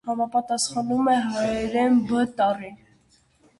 Համապատասխանում է հայերեն «Բ» տառին։